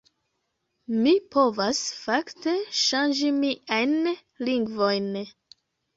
Mi povas, fakte, ŝanĝi miajn lingvojn